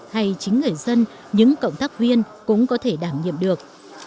hay chính người dân những cộng tác viên cũng có thể đảm nhiệm được